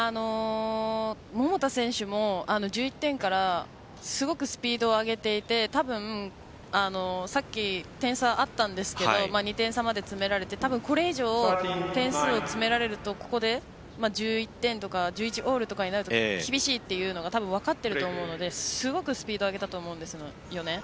桃田選手も１１点からすごくスピードを上げていてさっき点差があったんですが２点差まで詰められてこれ以上、点数を詰められるとここで１１点とか１１オールになると厳しいというのが分かっていると思うのですごくスピードを上げたと思うんですよね。